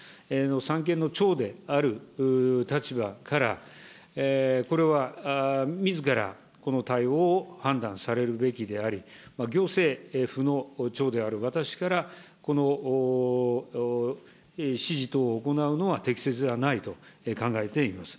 三権の長である立場から、これはみずからこの対応を判断されるべきであり、行政府の長である私からこの指示等を行うのは適切ではないと考えています。